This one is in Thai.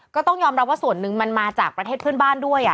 ก็ต้องยอมรับว่าส่วนหนึ่งมันมาจากประเทศเพื่อนบ้านด้วย